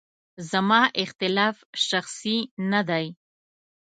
زما اختلاف شخصي نه دی.